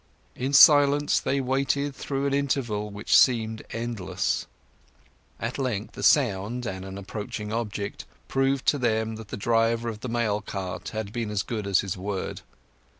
In silence they waited through an interval which seemed endless. At length a sound, and an approaching object, proved to them that the driver of the mail car had been as good as his word.